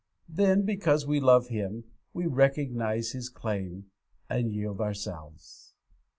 Then, because we love Him we recognise His claim and yield ourselves.